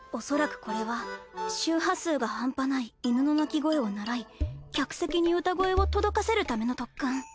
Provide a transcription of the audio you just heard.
恐らくこれは周波数が半端ない犬の鳴き声を倣い客席に歌声を届かせるための特訓。